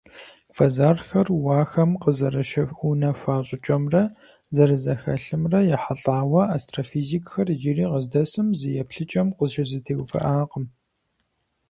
Квазархэр уахэм къызэрыщыунэхуа щIыкIэмрэ зэрызэхэлъымрэ ехьэлIауэ астрофизикхэр иджыри къыздэсым зы еплъыкIэм къыщызэтеувыIакъым.